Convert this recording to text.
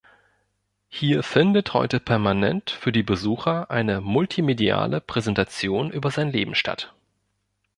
Hier findet heute permanent, für die Besucher, eine multimediale Präsentation über sein Leben statt.